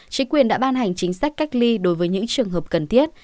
chính quyền đã ban hành chính sách cách ly đối với những trường hợp cần thiết